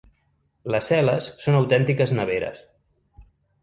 Les cel·les són autèntiques neveres.